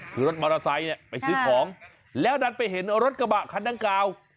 คือรถมอเตอร์ไซค์เนี่ยไปซื้อของแล้วดันไปเห็นรถกระบะคันดังกล่าว